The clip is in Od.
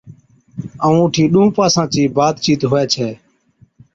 ائُون اُٺي ڏُونھُون پاسا چِي بات چيت ھُوي ڇَي